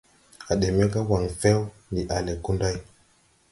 A de me ga wangfew, ndi ale Gunday.